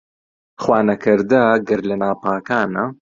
خوا نەکەردە گەر لە ناپاکانە